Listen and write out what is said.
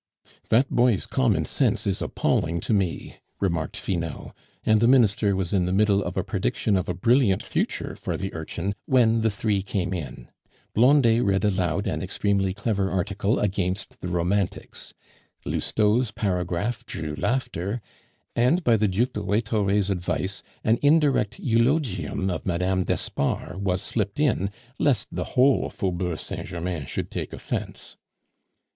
"That boy's common sense is appalling to me," remarked Finot; and the Minister was in the middle of a prediction of a brilliant future for the urchin, when the three came in. Blondet read aloud an extremely clever article against the Romantics; Lousteau's paragraph drew laughter, and by the Duc de Rhetore's advice an indirect eulogium of Mme. d'Espard was slipped in, lest the whole Faubourg Saint Germain should take offence.